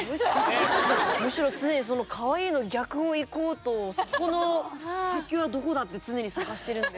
むしろ常にそのかわいいの逆を行こうとそこの先はどこだって常に探してるんで。